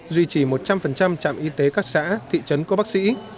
duy trì một trăm linh trạm y tế các xã thị trấn có bác sĩ